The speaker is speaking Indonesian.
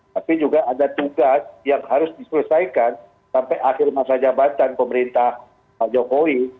tapi juga ada tugas yang harus diselesaikan sampai akhir masa jabatan pemerintah jokowi